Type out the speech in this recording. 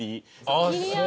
ああそう？